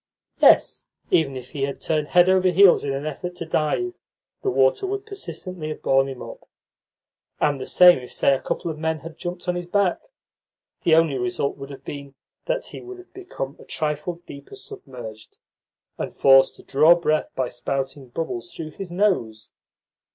Yes, even if he had turned head over heels in an effort to dive, the water would persistently have borne him up; and the same if, say, a couple of men had jumped on his back the only result would have been that he would have become a trifle deeper submerged, and forced to draw breath by spouting bubbles through his nose.